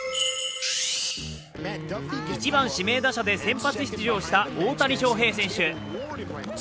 １番・指名打者で先発出場した大谷翔平選手。